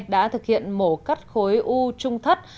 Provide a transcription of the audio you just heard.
đã thực hiện mổ cắt khối u trung thất